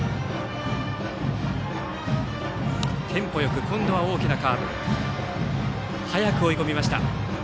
テンポよく今度は大きなカーブ。早く追い込みました。